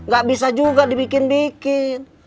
gak bisa juga dibikin bikin